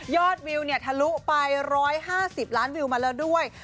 วิวทะลุไป๑๕๐ล้านวิวมาแล้วด้วย